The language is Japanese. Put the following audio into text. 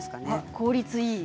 効率がいい。